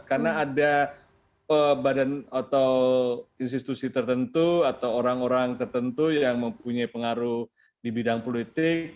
karena ada badan atau institusi tertentu atau orang orang tertentu yang mempunyai pengaruh di bidang politik